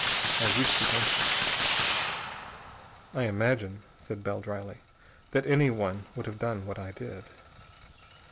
I wish to thank you." "I imagine," said Bell dryly, "that anyone would have done what I did."